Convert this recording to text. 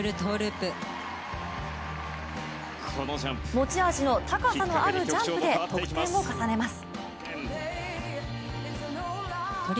持ち味の高さのあるジャンプで得点を重ねます。